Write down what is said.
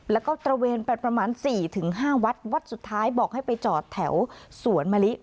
แล้วก็ตระเวนไปประมาณ๔๕วัดวัดสุดท้ายบอกให้ไปจอดแถวสวนมะลิ